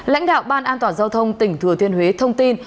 lãnh đạo ban an toàn giao thông tỉnh thừa thiên huế thông tin